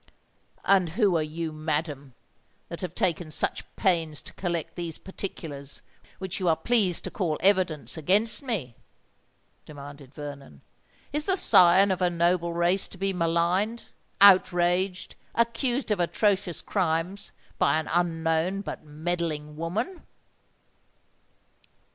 "And who are you, madam, that have taken such pains to collect these particulars, which you are pleased to call evidence against me?" demanded Vernon. "Is the scion of a noble race to be maligned—outraged—accused of atrocious crimes by an unknown but meddling woman?"